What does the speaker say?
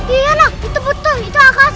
iya nang itu betul itu akas